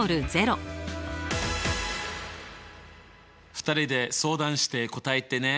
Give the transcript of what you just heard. ２人で相談して答えてね。